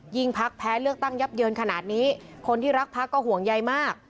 พักแพ้เลือกตั้งยับเยินขนาดนี้คนที่รักพักก็ห่วงใยมาก